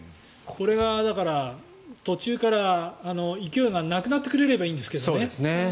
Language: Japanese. これが途中から勢いがなくなってくれればいいんですけどね。